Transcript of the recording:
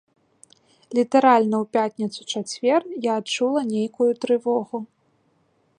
Літаральна ў пятніцу-чацвер я адчула нейкую трывогу.